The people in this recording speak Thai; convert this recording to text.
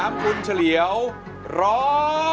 เท่นที่๓คุณเฉลี่ยวรอบ